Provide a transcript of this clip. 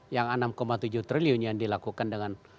yang enam tujuh triliun yang dilakukan dengan